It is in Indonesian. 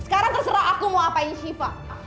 sekarang terserah aku mau apain siva